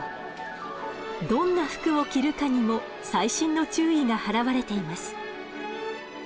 どんな服を着るかにも細心の注意が払われています。